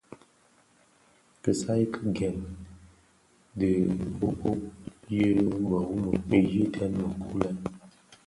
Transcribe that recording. Kisai ki gen dhi bhoo yi biwumi yidèň mëkuu lè.